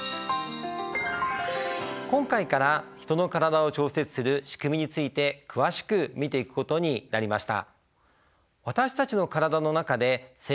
今回からヒトの体を調節するしくみについて詳しく見ていくことになりました。